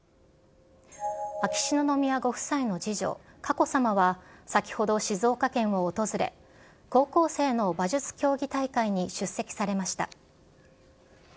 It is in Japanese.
秋篠宮ご夫妻の次女、佳子さまは、先ほど静岡県を訪れ、高校生の馬術競技大会に出席されました。